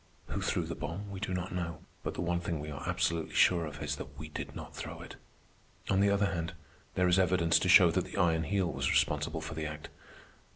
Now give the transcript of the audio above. Who threw the bomb we do not know, but the one thing we are absolutely sure of is that we did not throw it. On the other hand, there is evidence to show that the Iron Heel was responsible for the act.